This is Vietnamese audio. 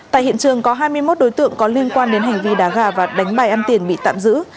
tại hiện trường có hai mươi một đối tượng có liên quan đến hành vi đá gà và đánh bài ăn tiền bị tạm giữ